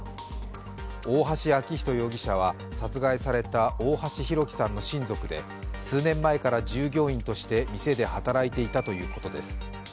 大橋昭仁容疑者は殺害された大橋弘輝さんの親族で数年前から従業員として店で働いていたということです。